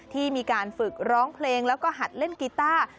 ที่มีการฝึกร้องเพลงแล้วก็หัดเล่นกีต้า